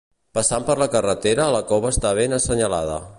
Passant per la carretera la cova està ben assenyalada.